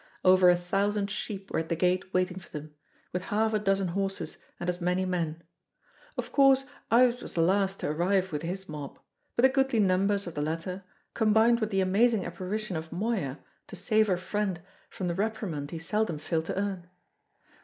Over a thousand sheep were at the gate waiting for them, with half a dozen horses and as many men. Of course Ives was the last to arrive with his mob, but the goodly numbers of the latter combined with the amazing apparition of Moya to save her friend from the reprimand he seldom failed to earn.